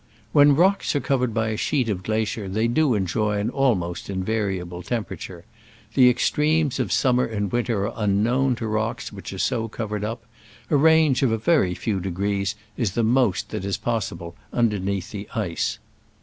When rocks are covered by a sheet of glacier they do enjoy an almost in variable temperature. The extremes of summer and winter are unknown to rocks which are so covered up : a range of a very few degrees is the most that is possible underneath the ice.